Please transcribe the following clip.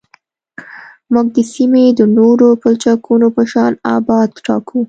موږ د سیمې د نورو پلچکونو په شان ابعاد ټاکو